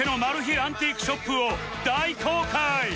アンティークショップを大公開！